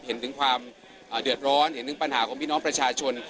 เห็นถึงความเดือดร้อนเห็นถึงปัญหาของพี่น้องประชาชน